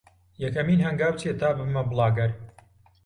یەکەمین هەنگاو چییە تا ببمە بڵاگەر؟